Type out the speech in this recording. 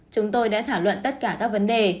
chúng tôi đã thảo luận tất cả các vấn đề